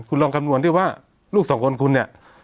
คุณลองคำนวณที่ว่าลูกสองคนคุณเนี่ย